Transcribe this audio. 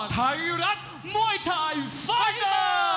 ไทรัศน์มวยไทร์ไฟเตอร์